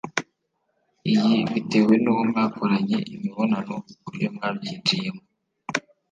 Iyi bitewe n’ uwo mwakoranye -imibonano uburyo mwabyinjiyemo